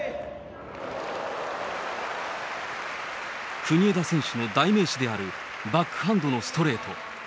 国枝選手の代名詞であるバックハンドのストレート。